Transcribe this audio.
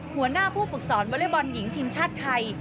หัวหน้าผู้ฝึกสอนวอเล็กบอลหญิงทีมชาติไทย